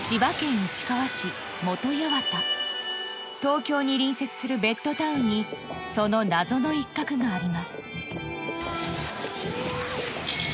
［東京に隣接するベッドタウンにその謎の一角があります］